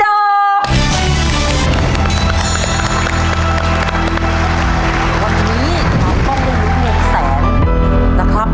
วันนี้เราต้องเล่นลูกหนูแสนนะครับ